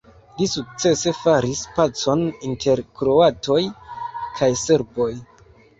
Li sukcese faris pacon inter kroatoj kaj serboj.